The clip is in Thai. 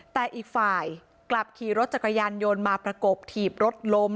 แต่อีกฝ่ายกลับขี่รถจักรยานยนต์มาประกบถีบรถล้ม